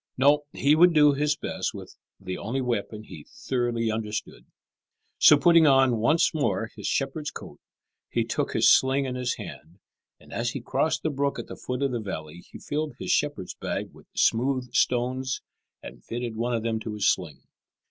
No, he would do his best with the only weapon he thoroughly understood. So putting on once more his shepherd's coat, he took his sling in his hand, and as he crossed the brook at the foot of the valley he filled his shepherd's bag with smooth stones and fitted one of them to his sling.